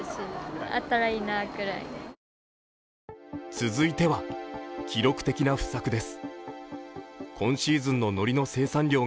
続いては記録的な不作です。